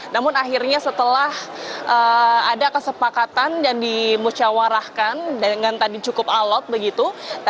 namun akhirnya setelah ada kesepakatan dan dimusyawarahkan dengan tadi cukup alot begitu